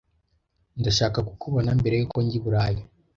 Ndashaka kukubona mbere yuko njya i Burayi.